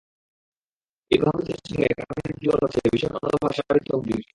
ইব্রাহামোভিচের সঙ্গে কাভানির জুটিকে বলা হচ্ছে বিশ্বের অন্যতম সেরা বিধ্বংসী জুটি।